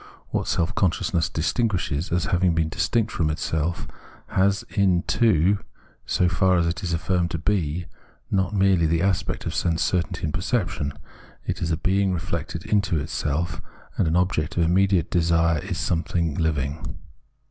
What self conscious ness distinguishes as having a being distinct from itself, has in it too, so far as it is affirmed to he, not merely the aspect of sense certainty and perception ; it is a being reflected into itself, and the object of im mediate desire is something hving.